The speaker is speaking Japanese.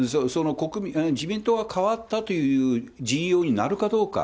自民党が変わったという陣容になるかどうか。